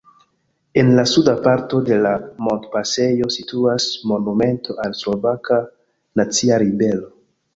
En la suda parto de la montpasejo situas monumento al Slovaka nacia ribelo.